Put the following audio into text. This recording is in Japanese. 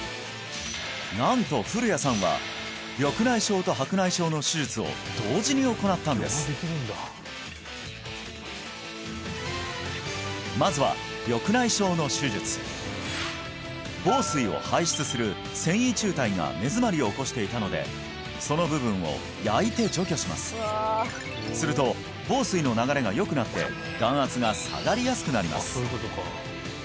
なんと古屋さんは緑内障と白内障の手術を同時に行ったんですまずは緑内障の手術房水を排出する線維柱帯が根詰まりを起こしていたのでその部分を焼いて除去しますすると房水の流れがよくなって眼圧が下がりやすくなります